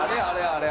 あれ？